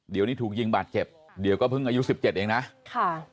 เดี๋ยวนี้ถูกยิงบาดเจ็บเดี๋ยวก็เพิ่งอายุสิบเจ็ดเองนะค่ะ